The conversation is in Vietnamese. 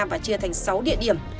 và chia thành sáu địa điểm